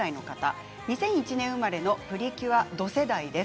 ２００１年生まれの「プリキュア」ど世代です。